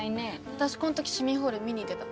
私こん時市民ホール見に行ってた。